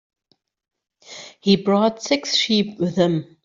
He brought six sheep with him.